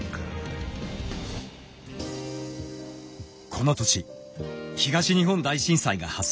この年東日本大震災が発生。